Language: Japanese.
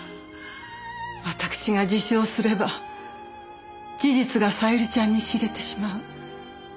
わたくしが自首をすれば事実が小百合ちゃんに知れてしまう。